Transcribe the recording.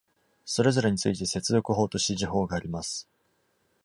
それぞれについて、接続法と指示法があります。